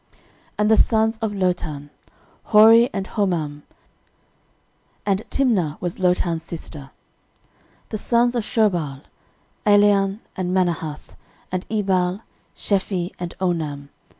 13:001:039 And the sons of Lotan; Hori, and Homam: and Timna was Lotan's sister. 13:001:040 The sons of Shobal; Alian, and Manahath, and Ebal, Shephi, and Onam.